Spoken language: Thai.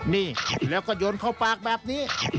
นี่แล้วก็โยนเข้าปากแบบนี้